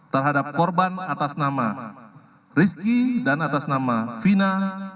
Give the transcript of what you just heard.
terhadap korban atas nama rizky dan atas nama fina